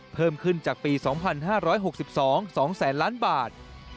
เพิ่มขึ้นจากปี๒๕๖๒วงเงิน๒๐๐๐๐๐๐บาท